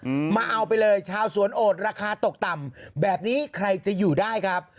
อืมมาเอาไปเลยชาวสวนโอดราคาตกต่ำแบบนี้ใครจะอยู่ได้ครับ